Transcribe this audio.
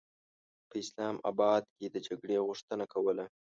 په اسلام اباد کې د جګړې غوښتنه کوله.